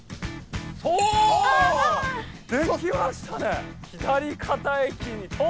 できましたね。